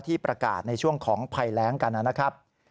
ที่ประกาศในช่วงของภายแล้งกันนั้นนะครับ